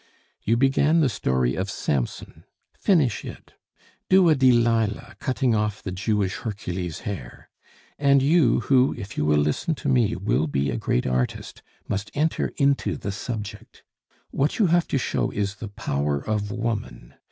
You began the story of Samson; finish it. Do a Delilah cutting off the Jewish Hercules' hair. And you, who, if you will listen to me, will be a great artist, must enter into the subject. What you have to show is the power of woman.